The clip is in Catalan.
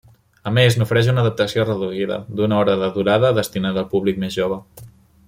A més, n'ofereix una adaptació reduïda, d'una hora de durada, destinada al públic més jove.